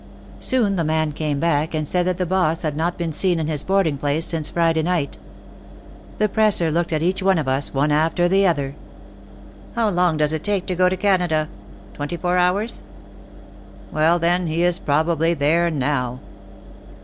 ,, Soon the man came back and said that the boss had not been seen in his boarding place since Friday night. The presser looked at each one of us, one after the other, "How long does it take to go to Canada? Twenty four hours? Well, then, he is prob ably there now."